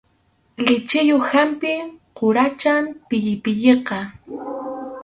Lichiyuq hampi quracham pillipilliqa.